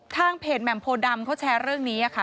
ทางเพจแหม่มโพดำเขาแชร์เรื่องนี้ค่ะ